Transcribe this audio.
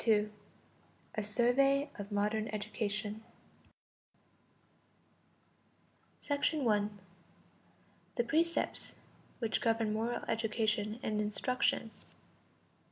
II A SURVEY OF MODERN EDUCATION =The precepts which govern moral education and instruction=.